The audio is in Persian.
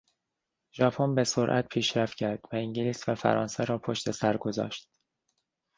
ژاپن به سرعت پیشرفت کرد وانگلیس و فرانسه را پشتسر گذاشت.